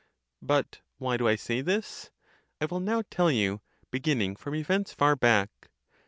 But why do I say this? I will now tell you, beginning from events far back.